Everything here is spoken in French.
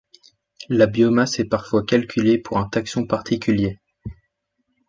La biomasse est parfois calculée pour un taxon particulier.